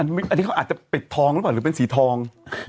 อันนี้เขาอาจจะเป็นทองหรือเป็นสีทอง